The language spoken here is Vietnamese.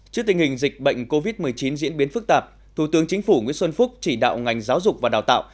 trước tình hình dịch bệnh covid một mươi chín diễn biến phức tạp thủ tướng chính phủ nguyễn xuân phúc chỉ đạo ngành giáo dục và đào tạo